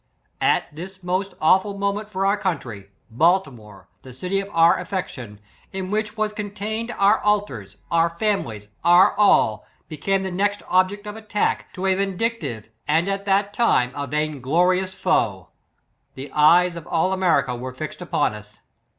At this most awful moment for our country, Baltimore, the city of our affection, in which was con tained our altars, our families, our all, be came the next object of attack to a vindic« tive, and at that time, a vainglorious foe. The eyes of all America were fixed upon us!